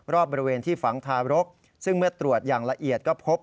รอบบริเวณที่ฝังทารกซึ่งเมื่อตรวจอย่างละเอียดก็พบ